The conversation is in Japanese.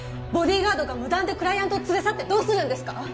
ボディーガードが無断でクライアントを連れ去ってどうするんですか！？